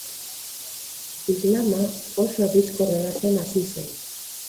Islama oso bizkor hedatzen hasi zen.